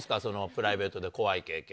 プライベートで怖い経験。